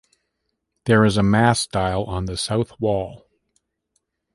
There is a mass dial on the south wall.